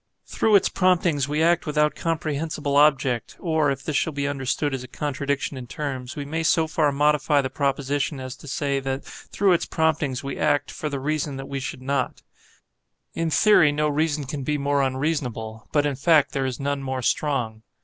Through its promptings we act without comprehensible object; or, if this shall be understood as a contradiction in terms, we may so far modify the proposition as to say, that through its promptings we act, for the reason that we should not. In theory, no reason can be more unreasonable, but, in fact, there is none more strong.